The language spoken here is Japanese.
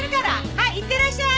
はいいってらっしゃい。